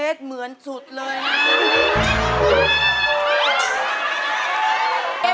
เป็นเรื่องราวของแม่นาคกับพี่ม่าครับ